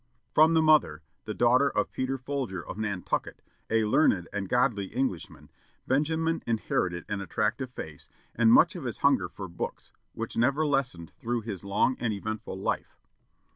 From the mother, the daughter of Peter Folger of Nantucket, "a learned and godly Englishman," Benjamin inherited an attractive face, and much of his hunger for books, which never lessened through his long and eventful life.